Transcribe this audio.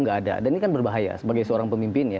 tidak ada dan ini kan berbahaya sebagai seorang pemimpin